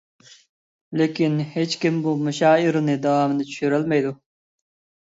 لېكىن ھېچكىم بۇ مۇشائىرىنى داۋامىنى چۈشۈرۈلمەيدۇ.